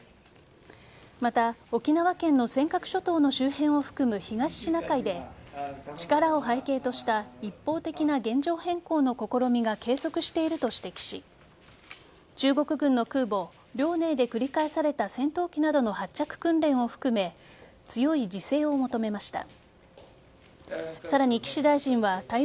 また、沖縄県の尖閣諸島の周辺を含む東シナ海で力を背景とした一方的な現状変更の試みが継続していると指摘し中国軍の空母「遼寧」で繰り返された戦闘機などの発着訓練を含め強い自制を求めました。